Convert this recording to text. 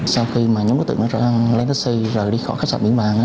sau khi nhóm đối tượng đã lấy taxi rồi đi khỏi khách sạn biển vàng